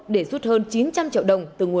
để rút hơn chín trăm linh triệu đồng